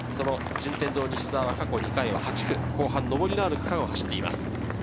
順天堂・西澤は過去２回は８区、後半上りのある区間を走っています。